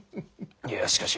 いやしかし。